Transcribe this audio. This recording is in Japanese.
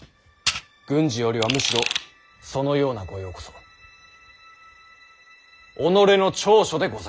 軍事よりはむしろそのような御用こそ己の長所でございまする。